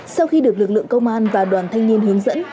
sau khi được lực lượng công an và đoàn thanh niên hướng dẫn